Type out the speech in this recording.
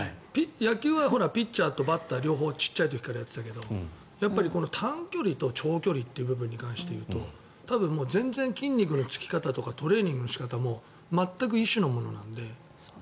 野球はピッチャーとバッター両方小さい時からやっていたけどやっぱりこの短距離と長距離という部分に関して言うと全然筋肉の付き方とかトレーニングの仕方もまったく異種のものなので。